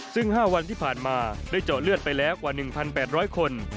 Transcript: ซึ่ง๕วันที่ผ่านมาได้เจาะเลือดไปแล้วกว่า๑๘๐๐คน